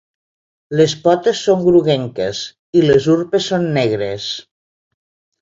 Les potes són groguenques, i les urpes són negres.